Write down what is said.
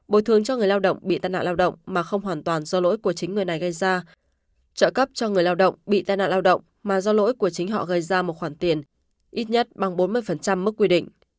bồi thường cho người lao động bị tai nạn lao động mà không hoàn toàn do lỗi của chính người này gây ra trợ cấp cho người lao động bị tai nạn lao động mà do lỗi của chính họ gây ra một khoản tiền ít nhất bằng bốn mươi mức quy định